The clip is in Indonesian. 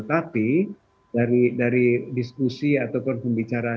tapi dari diskusi atau dari pengetahuan